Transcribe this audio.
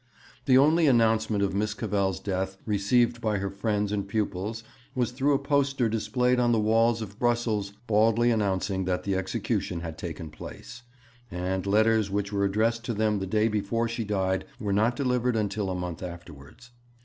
The only announcement of Miss Cavell's death received by her friends and pupils was through a poster displayed on the walls of Brussels baldly announcing that the execution had taken place; and letters which were addressed to them the day before she died were not delivered until a month afterwards.